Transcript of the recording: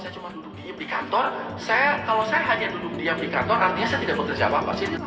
memang saya pikir kalau saya cuma duduk diam di kantor kalau saya hanya duduk diam di kantor artinya saya tidak bekerja apa apa